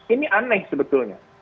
ini aneh sebetulnya